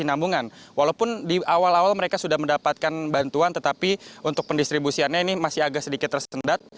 namun di awal awal mereka sudah mendapatkan bantuan tetapi untuk pendistribusiannya ini masih agak sedikit tersendat